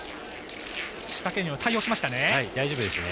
仕掛けには対応しました。